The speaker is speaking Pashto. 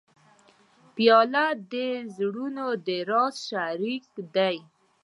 پیاله د زړه د راز شریک دی.